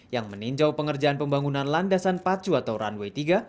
yang meninjau pengerjaan pembangunan landasan pacu atau runway tiga